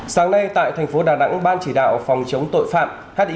sáng nay tại thành phố đà nẵng ban chỉ đạo phòng chống tội phạm hiv